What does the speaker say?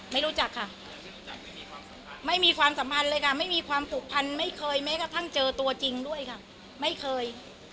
ไม่รู้จักค่ะไม่มีความสัมพันธ์เลยค่ะไม่มีความผูกพันไม่เคยแม้กระทั่งเจอตัวจริงด้วยค่ะไม่เคย